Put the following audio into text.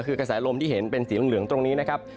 คือกระแสลมที่เห็นเป็นสีเหลืองตรงนี้นะครับ